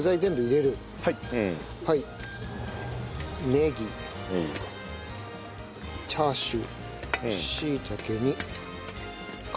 ネギチャーシューしいたけにカニ。